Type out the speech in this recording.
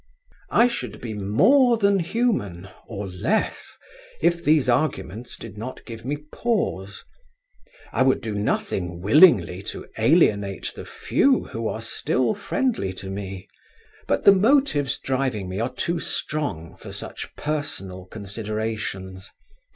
I should be more than human or less if these arguments did not give me pause. I would do nothing willingly to alienate the few who are still friendly to me. But the motives driving me are too strong for such personal considerations.